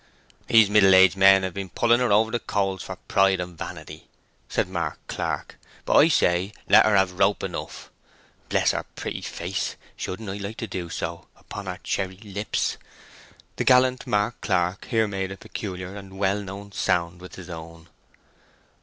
"These middle aged men have been pulling her over the coals for pride and vanity," said Mark Clark; "but I say, let her have rope enough. Bless her pretty face—shouldn't I like to do so—upon her cherry lips!" The gallant Mark Clark here made a peculiar and well known sound with his own.